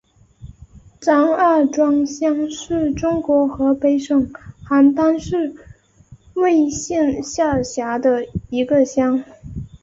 张二庄乡是中国河北省邯郸市魏县下辖的一个乡。